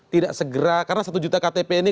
tidak segera karena satu juta ktp ini